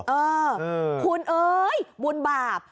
เออคุณเอ้ยบุญบาป